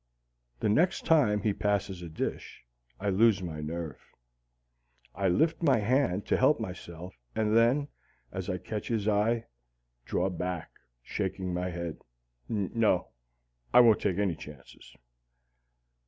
The next time he passes a dish, I lose my nerve. I lift my hand to help myself, and then, as I catch his eye, draw back, shaking my head. No, I won't take any chances.